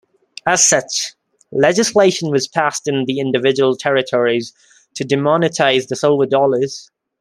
As such, legislation was passed in the individual territories to demonetize the silver dollars.